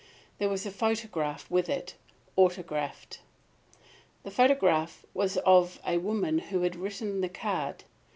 There was a photograph with it, autographed. The photograph was of the woman who had written the card.